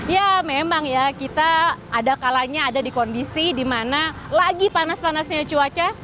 ya memang ya kita ada kalanya ada di kondisi di mana lagi panas panasnya cuaca